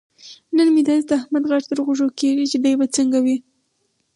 نن مې داسې د احمد غږ تر غوږو کېږي. چې دی به څنګه وي.